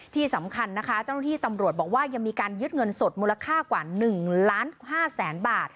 ที่สำคัญนะคะเจ้าหน้าที่ตำรวจบอกว่ายังมีการยึดเงินสดมูลค่ากว่า๑ล้าน๕แสนบาท